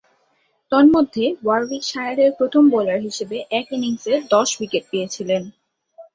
তন্মধ্যে, ওয়ারউইকশায়ারের প্রথম বোলার হিসেবে এক ইনিংসে দশ উইকেট পেয়েছিলেন।